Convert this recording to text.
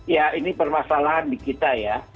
ya ini permasalahan di kita ya